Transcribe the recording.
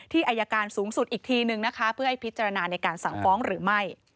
อายการสูงสุดอีกทีนึงนะคะเพื่อให้พิจารณาในการสั่งฟ้องหรือไม่